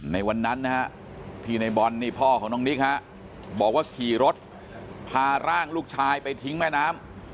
ในวันนั้นนะฮะที่ในบอลนี่พ่อของน้องนิกบอกว่าขี่รถพาร่างลูกชายไปทิ้งแม่น้ำ